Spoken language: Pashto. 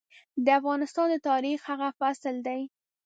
د افغانستان د تاريخ هغه فصل دی.